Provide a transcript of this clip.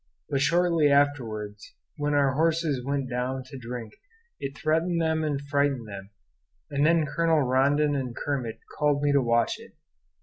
But shortly afterward when our horses went down to drink it threatened them and frightened them; and then Colonel Rondon and Kermit called me to watch it.